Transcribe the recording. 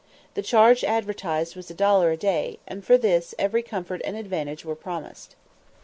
The charge advertised was a dollar a day, and for this every comfort and advantage were promised.